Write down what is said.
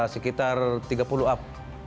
sekitar tiga puluh up